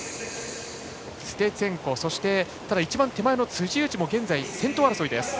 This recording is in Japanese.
そして、一番手前の辻内も現在先頭争いです。